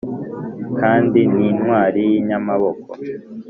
kandi ni intwari y’inyamaboko